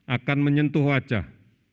akan menyentuh wajah